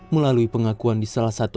melalui pengakuan di salah satu